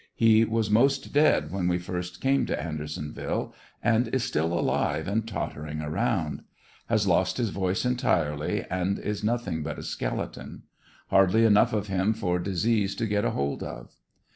He was most dead when we first came to Andersonville, and is still alive and tottering around. Has lost his voice entirely and is nothing but a skeleton. Hardly enough of him for disease to get hold of.